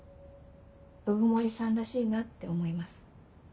鵜久森さんらしいなって思います。